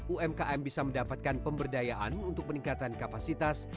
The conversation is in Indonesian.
umkm bisa mendapatkan pemberdayaan untuk peningkatan kapasitas